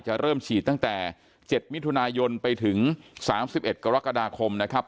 เริ่มฉีดตั้งแต่๗มิถุนายนไปถึง๓๑กรกฎาคมนะครับ